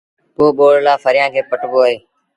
پو ٻوڙ لآ ڦريآݩ کي پٽبو اهي